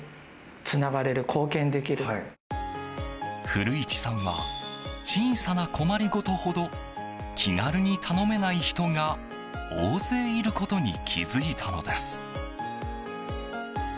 古市さんは小さな困りごとほど気軽に頼めない人が大勢いることに気づいたのです。